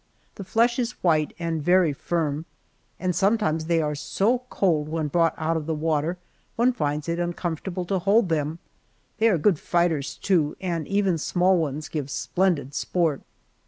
The flesh is white and very firm, and sometimes they are so cold when brought out of the water one finds it uncomfortable to hold them. They are good fighters, too, and even small ones give splendid sport.